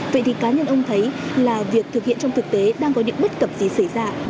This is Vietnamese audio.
vậy thì cá nhân ông thấy là việc thực hiện trong thực tế đang có những bất cập gì xảy ra